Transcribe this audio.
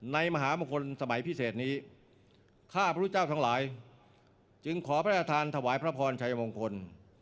มหามงคลสมัยพิเศษนี้ข้าพระพุทธเจ้าทั้งหลายจึงขอพระราชทานถวายพระพรชัยมงคล